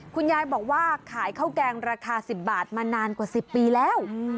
คุณยายบอกว่าขายข้าวแกงราคา๑๐บาทมานานกว่า๑๐ปีแล้ว